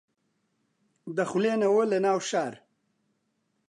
دەخولێنەوە لە ناو شار